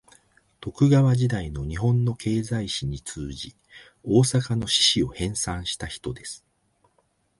徳川時代の日本の経済史に通じ、大阪の市史を編纂した人です